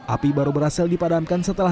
api baru berhasil dipadamkan